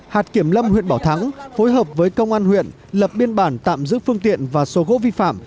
hạt kiểm lâm huyện bảo thắng phối hợp với công an huyện lập biên bản tạm giữ phương tiện và số gỗ vi phạm